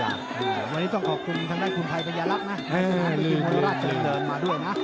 วันนี้ต้องก่อคุณทางด้านคุณไพรพญาลักษณ์นะ